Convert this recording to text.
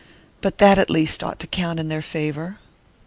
"But that at least ought to count in their favour."